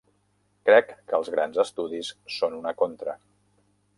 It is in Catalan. Crec que els grans estudis són una contra.